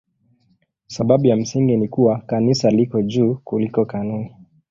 Sababu ya msingi ni kuwa Kanisa liko juu kuliko kanuni.